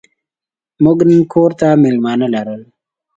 موږ نن کور ته مېلمانه لرل.